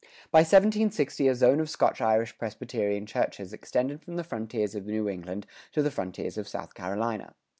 By 1760 a zone of Scotch Irish Presbyterian churches extended from the frontiers of New England to the frontiers of South Carolina.